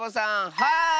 はい！